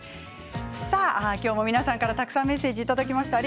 今日も皆さんからたくさんメッセージをいただきました。